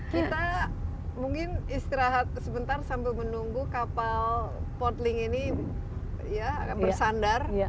kita mungkin istirahat sebentar sampai menunggu kapal port link ini bersandar